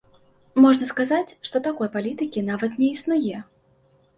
Можна сказаць, што такой палітыкі нават не існуе.